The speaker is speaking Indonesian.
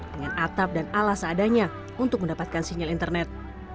dengan atap dan alas adanya untuk mendapatkan sinyal internet